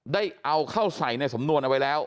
ได้เอาเข้าใส่ในสำนวนเอาไว้แล้ว